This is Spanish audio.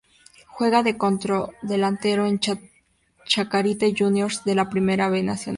Juega de centrodelantero en Chacarita Juniors de la Primera B Nacional.